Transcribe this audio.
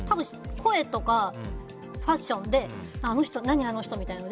声とか、ファッションで何、あの人みたいな。